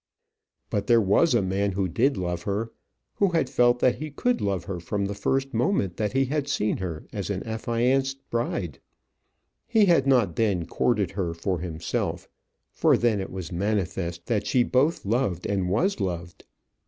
But there was a man who did love her, who had felt that he could love her from the first moment that he had seen her as an affianced bride: he had not then courted her for himself; for then it was manifest that she both loved and was loved.